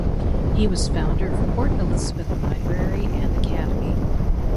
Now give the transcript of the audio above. He was founder of Port Elizabeth Library and Academy.